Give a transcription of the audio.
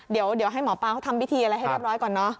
เดี๋ยวให้หมอปลาเขาทำพิธีอะไรให้เรียบร้อยก่อนเนอะ